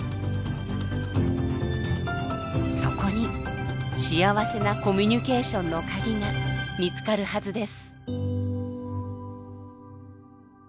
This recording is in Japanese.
そこに幸せなコミュニケーションの鍵が見つかるはずです。